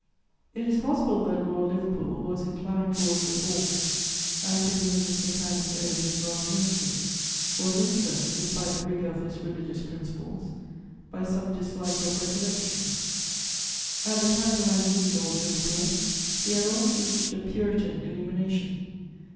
It is possible that Lord Liverpool, who was inclined towards reforms, and to whom Mr. Canning owed his last ministry, was influenced, despite the rigour of his religious principles, by some dislike of recollections. At the time when I knew Lord Liverpool, he had almost reached a Puritan illumination.